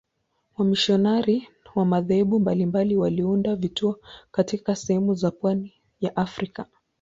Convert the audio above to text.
Wamisionari wa madhehebu mbalimbali waliunda vituo katika sehemu za pwani ya Afrika.